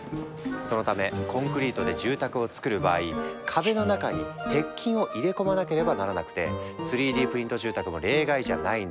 そのためコンクリートで住宅をつくる場合壁の中に鉄筋を入れ込まなければならなくて３Ｄプリント住宅も例外じゃないんだ。